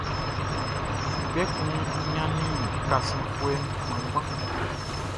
Kpɛkun n ɲannin kasiɛnfuɛ kpanngban.